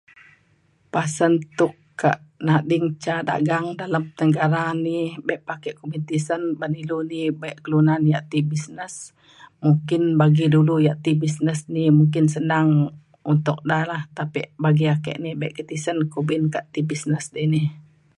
pasen tok ka nading ca dagang dalem tengara ni be' pe ake kumin tisen ban ilu di be' kelunan ya' ti bisnes. mungkin bagi dulu ya' ti bisnes ni mungkin senang untuk da la tapi bagi ake ni be' ke' tisen kumpin ka' ti bisnes ini.